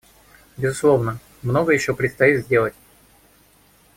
Безусловно, многое еще предстоит сделать.